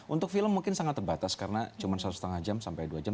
untuk film mungkin sangat terbatas karena cuma satu setengah jam sampai dua jam